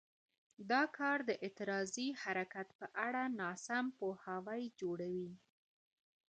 دا کار د اعتراضي حرکت په اړه ناسم پوهاوی جوړوي.